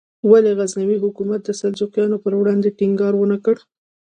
ولې غزنوي حکومت د سلجوقیانو پر وړاندې ټینګار ونکړ؟